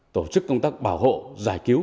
tổ chức công tác bảo hộ giải cứu